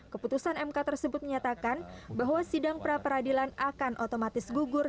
keputusan mk tersebut menyatakan bahwa sidang pra peradilan akan otomatis gugur